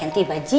ganti baju yuk